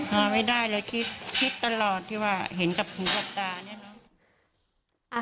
นอนไม่ได้เลยคิดคิดตลอดที่ว่าเห็นกับหูกับตาเนี่ยเนอะ